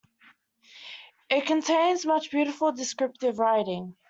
It contains much beautiful descriptive writing.